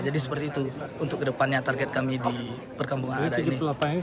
jadi seperti itu untuk kedepannya target kami di perkampungan adat ini